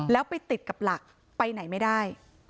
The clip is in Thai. แล้วไปติดกับหลักไปไหนไม่ได้